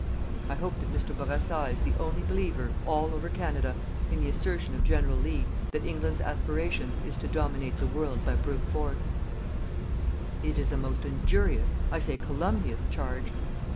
I hope that Mr. Bourassa is the only believer, all over Canada, in the assertion of General Lea that England's aspirations is to dominate the world by brute force. It is a most injurious, I can say, calumnious, charge.